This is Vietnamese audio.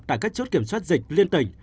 tại các chốt kiểm soát dịch liên tình